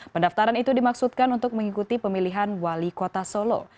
pendaftaran itu dimaksudkan untuk mengikuti pemilihan wali kota solo